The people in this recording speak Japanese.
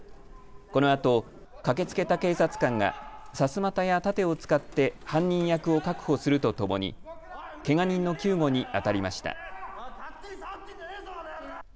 このあと駆けつけた警察官がさすまたや盾を使って犯人役を確保するとともにけが人の救護に当たりました。